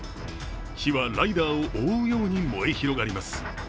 火はライダーを覆うように燃え広がります。